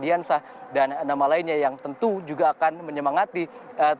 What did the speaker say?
yang terakhir adalah yang terakhir